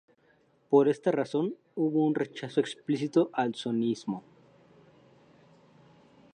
Por esta razón, hubo un rechazo explícito al sionismo.